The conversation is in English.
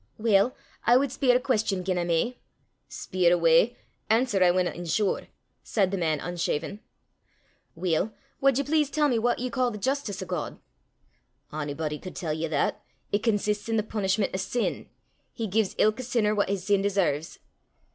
"Weel, I wad speir a queston gien I may." "Speir awa'. Answer I winna insure," said the man unshaven. "Weel, wad ye please tell me what ye ca' the justice o' God?" "Onybody could tell ye that: it consists i' the punishment o' sin. He gies ilka sinner what his sin deserves."